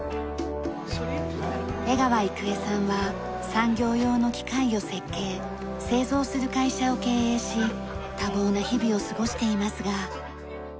江川生枝さんは産業用の機械を設計・製造する会社を経営し多忙な日々を過ごしていますが。